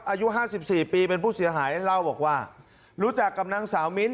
อายุห้าสิบสี่ปีเป็นผู้เสียหายเล่าบอกว่ารู้จักกับนางสาวมิ้นท